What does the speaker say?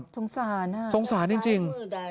สงสารสงสารจริง